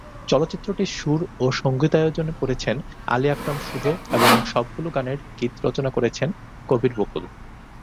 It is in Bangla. চলচ্চিত্রটির সুর ও সঙ্গীতায়োজন করেছেন আলী আকরাম শুভ এবং সবগুলো গানের গীত রচনা করেছেন কবির বকুল।